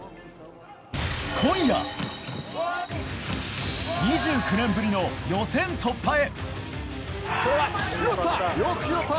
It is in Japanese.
今夜、２９年ぶりの予選突破へ。